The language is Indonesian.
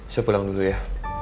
saya pulang dulu ya